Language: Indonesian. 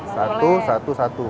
satu satu satu